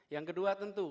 yang kedua tentu